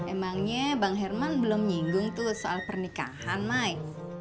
emangnya bang herman belum nyinggung tuh soal pernikahan mai